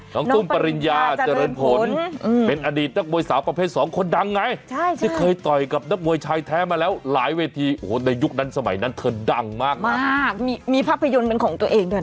ตุ้มปริญญาเจริญผลเป็นอดีตนักมวยสาวประเภทสองคนดังไงที่เคยต่อยกับนักมวยชายแท้มาแล้วหลายเวทีโอ้โหในยุคนั้นสมัยนั้นเธอดังมากมากมีภาพยนตร์เป็นของตัวเองด้วยนะ